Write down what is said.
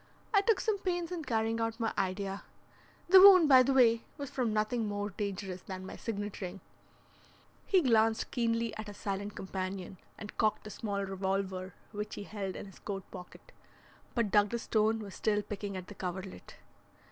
I took some pains in carrying out my idea. The wound, by the way, was from nothing more dangerous than my signet ring." He glanced keenly at his silent companion, and cocked the small revolver which he held in his coat pocket. But Douglas Stone was still picking at the coverlet.